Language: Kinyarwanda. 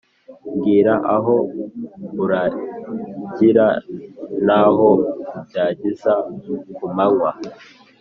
Mbwira aho uragira n’aho ubyagiza ku manywa